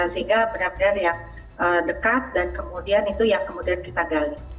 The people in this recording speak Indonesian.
sehingga benar benar yang dekat dan kemudian itu yang kemudian kita gali